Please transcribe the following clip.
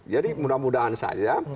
jadi mudah mudahan saja